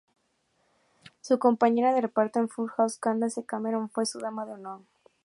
Su compañera de reparto en Full House, Candace Cameron, fue su dama de honor.